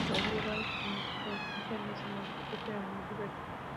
Los lugares donde se reunían los románticos eran muy diversos.